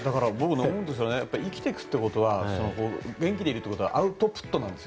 生きてくってことは元気でいるってことはアウトプットなんです。